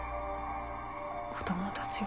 子供たちが。